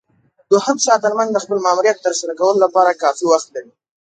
دوهم ساتنمن د خپل ماموریت ترسره کولو لپاره کافي وخت لري.